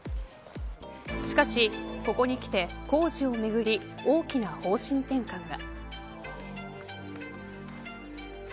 しかし、ここにきて工事をめぐり大きな方針転換が。